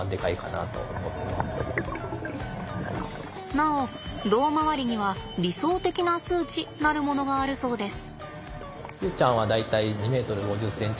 なお胴回りには理想的な数値なるものがあるそうです。